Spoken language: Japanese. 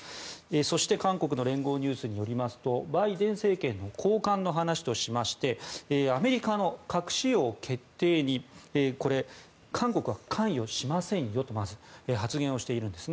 そして、韓国の聯合ニュースによりますとバイデン政権の高官の話としましてアメリカの核使用決定に韓国は関与しませんよと発言しているんです。